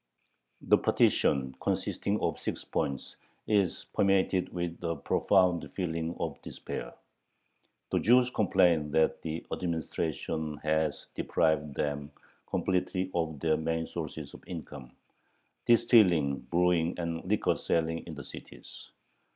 The petition, consisting of six points, is permeated with a profound feeling of despair. The Jews complain that the administration has deprived them completely of their main sources of income: distilling, brewing, and liquor selling in the cities.